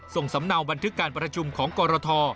สำเนาบันทึกการประชุมของกรท